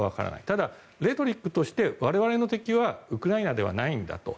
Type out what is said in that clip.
ただ、レトリックとして我々の敵はウクライナではないんだと。